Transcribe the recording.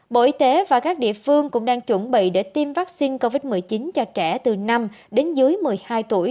bộ y tế và các địa phương cũng đang chuẩn bị để tiêm vaccine covid một mươi chín cho trẻ từ năm đến dưới một mươi hai tuổi